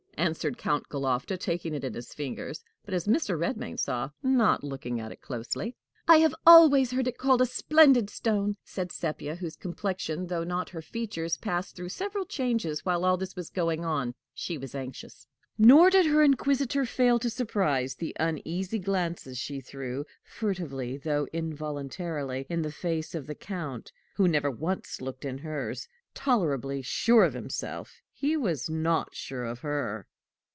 answered Count Galofta, taking it in his fingers, but, as Mr. Redmain saw, not looking at it closely. "I have always heard it called a splendid stone," said Sepia, whose complexion, though not her features, passed through several changes while all this was going on: she was anxious. Nor did her inquisitor fail to surprise the uneasy glances she threw, furtively though involuntarily, in the face of the Count who never once looked in hers: tolerably sure of himself, he was not sure of her.